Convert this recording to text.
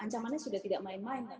ancamannya sudah tidak main main kan